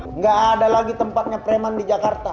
tidak ada lagi tempatnya preman di jakarta